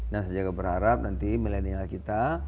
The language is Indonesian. nah saya juga berharap nanti milenial kita